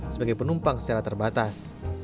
sebagai penumpang secara terbatas